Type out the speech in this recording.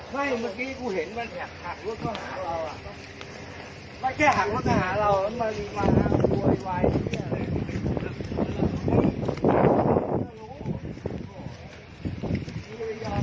เมื่อ๑๙นาทีแม่งก็โดดใส่หน้าโน้น